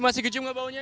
masih tercium apa baunya